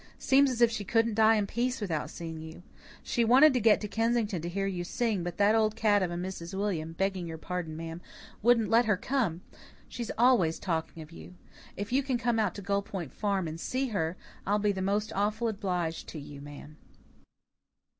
Seems as if she couldn't die in peace without seeing you. She wanted to get to Kensington to hear you sing, but that old cat of a Mrs. William begging you pardon, ma'am wouldn't let her come. She's always talking of you. If you can come out to Gull Point Farm and see her, I'll be most awful obliged to you, ma'am."